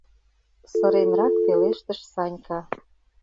— сыренрак пелештыш Санька.